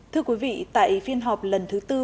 thưa quý vị tại phiên họp lần thứ ba